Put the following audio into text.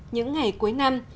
những ngày cuối năm